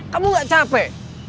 kamu gak capek